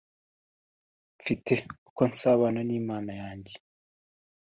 mfite uko nsabana n’Imana yanjye